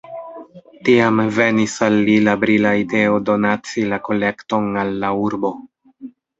Tiam venis al li la brila ideo donaci la kolekton al la urbo.